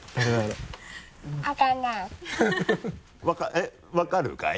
えっ分かるかい？